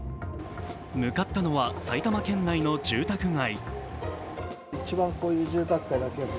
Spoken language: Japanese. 向かったのは埼玉県内の住宅街。